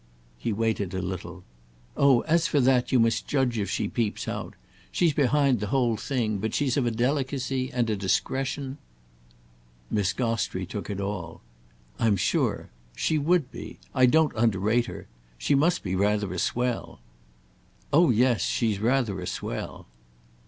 He waited a little. "Oh as for that you must judge if she peeps out. She's behind the whole thing; but she's of a delicacy and a discretion—!" Miss Gostrey took it all. "I'm sure. She would be. I don't underrate her. She must be rather a swell." "Oh yes, she's rather a swell!"